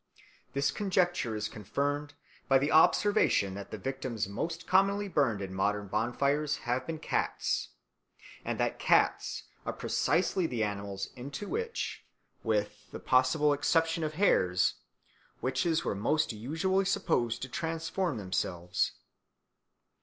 This conjecture is confirmed by the observation that the victims most commonly burned in modern bonfires have been cats, and that cats are precisely the animals into which, with the possible exception of hares, witches were most usually supposed to transform themselves.